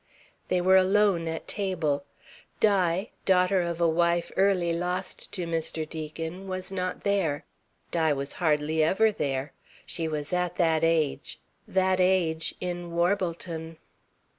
They were alone at table. Di, daughter of a wife early lost to Mr. Deacon, was not there. Di was hardly ever there. She was at that age. That age, in Warbleton.